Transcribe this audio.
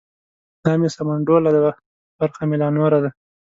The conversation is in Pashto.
دا مې سمنډوله ده برخه مې لا نوره ده.